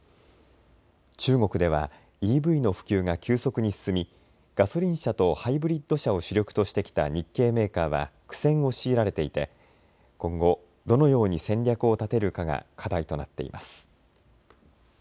中国ではＥＶの普及が急速に進みガソリン車とハイブリッド車を主力としてきた日系メーカーは苦戦を強いられていて今後どのように戦略を立てるかが課題となっています。